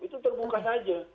itu terbuka saja